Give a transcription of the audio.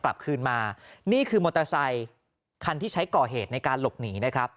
กลับคืนมานี่คือมอเตอร์ไซคันที่ใช้ก่อเหตุในการหลบหนีนะครับ